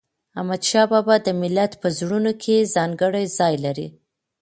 احمدشاه بابا د ملت په زړونو کې ځانګړی ځای لري.